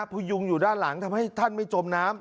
พยุงอยู่ด้านหลังทำให้ท่านไม่จมน้ำ